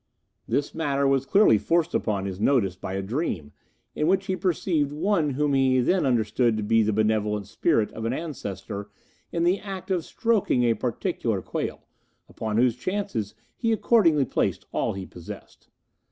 This matter was clearly forced upon his notice by a dream, in which he perceived one whom he then understood to be the benevolent spirit of an ancestor in the act of stroking a particular quail, upon whose chances he accordingly placed all he possessed.